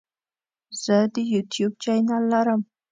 زه د یوټیوب چینل لرم.